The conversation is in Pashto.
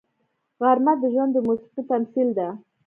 غرمه د ژوند د موسیقۍ تمثیل ده